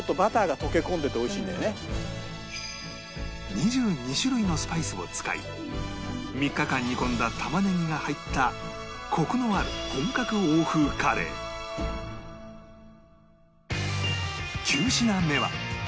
２２種類のスパイスを使い３日間煮込んだ玉ねぎが入ったコクのある本格欧風カレー９品目は